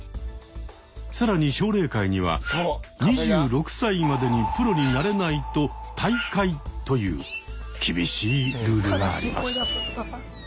更に奨励会には２６歳までにプロになれないと退会という厳しいルールがあります。